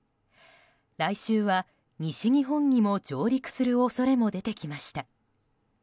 来週は西日本にも上陸する恐れも出てきました。